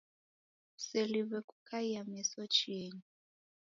Kuseliwe kukaiya meso chienyi